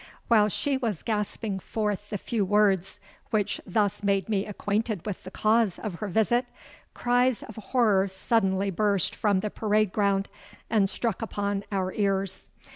While she was gasping forth the few words which thus made me acquainted with the cause of her visit, cries of horror suddenly burst from the parade ground and struck upon our ears.